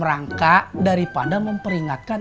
merangkak daripada memperingatkan